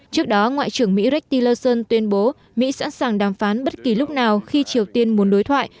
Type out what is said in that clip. trước đó ngoại trưởng mỹ reki leson tuyên bố mỹ sẵn sàng đàm phán bất kỳ lúc nào khi triều tiên muốn đối thoại